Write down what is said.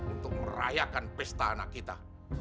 untuk merayakan pesta anak kita